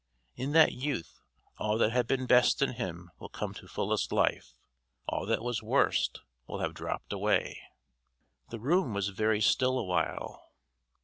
In that youth all that had been best in him will come to fullest life; all that was worst will have dropped away. The room was very still awhile.